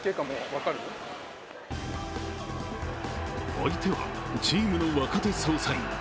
相手はチームの若手捜査員。